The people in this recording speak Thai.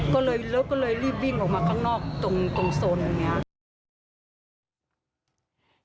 อ๋อแม็กซ์แล้วก็เลยรีบวิ่งออกมาข้างนอกตรงโซนอย่างนี้